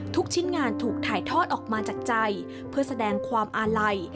ชิ้นงานถูกถ่ายทอดออกมาจากใจเพื่อแสดงความอาลัย